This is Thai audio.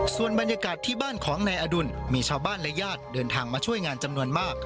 ส่วนบรรยากาศที่บ้านของนายอดุลมีชาวบ้านและญาติเดินทางมาช่วยงานจำนวนมาก